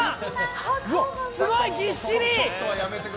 すごい、ぎっしり！